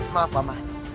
maaf pak mah